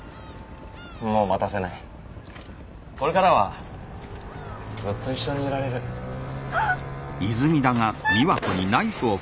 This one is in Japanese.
もう待たせないこれからはずっと一緒にいられるあっ⁉あっ！